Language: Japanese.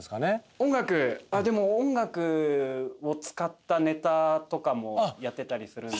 音楽でも音楽を使ったネタとかもやってたりするんで。